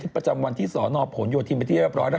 ประจำวันที่สนผลโยธินไปที่เรียบร้อยแล้ว